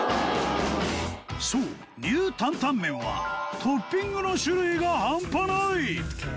そうニュータンタンメンはトッピングの種類がハンパない！